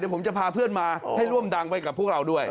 ผมจะพาเพื่อนมาให้ร่วมดังไว้กับพวกเราด้วย